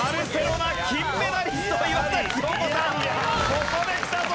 ここできたぞ。